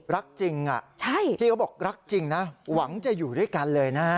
รักจริงพี่เขาบอกรักจริงนะหวังจะอยู่ด้วยกันเลยนะ